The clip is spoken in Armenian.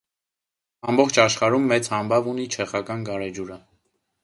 Ամբողջ աշխարհում մեծ համբավ ունի չեխական գարեջուրը։